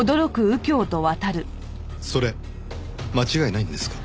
それ間違いないんですか？